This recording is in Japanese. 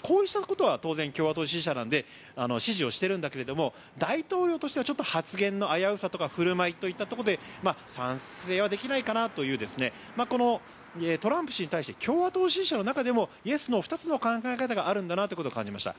こうしたことは共和党支持者なので支持をしているんだけども大統領としては発言の危うさとか振る舞いといったところで賛成はできないかなというトランプ氏に対して共和党支持者の中でもイエス、ノー２つの考え方があるんだなと感じました。